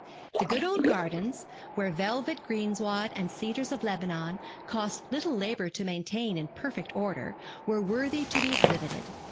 The good old gardens, where velvet greensward and cedars of Lebanon cost little labour to maintain in perfect order, were worthy to be exhibited.